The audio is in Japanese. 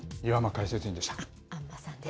安間さんです。